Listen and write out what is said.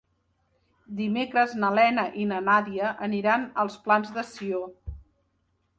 Dimecres na Lena i na Nàdia aniran als Plans de Sió.